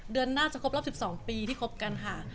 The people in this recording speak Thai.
เดือนหน้าจะครบรอบ๑๒ปีที่คบกันค่ะ